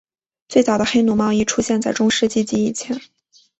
最早的黑奴贸易出现在中世纪及之前。